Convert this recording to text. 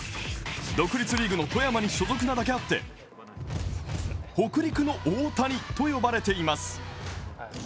独立リーグの富山に所属なだけあって北陸の大谷と呼ばれています。